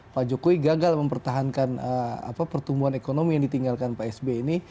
pak jokowi gagal mempertahankan pertumbuhan ekonomi yang ditinggalkan pak sb ini